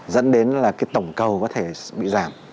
dẫn đến là cái tổng cầu có thể bị giảm